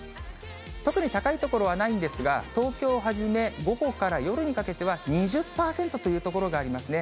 特に高い所はないんですが、東京をはじめ、午後から夜にかけては２０％という所がありますね。